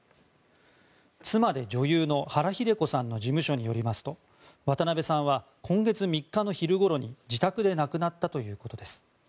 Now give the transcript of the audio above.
妻で女優の原日出子さんの事務所によりますと渡辺さんは今月３日の昼ごろに自宅で亡くなったということです。